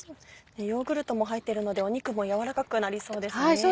ヨーグルトも入ってるので肉もやわらかくなりそうですね。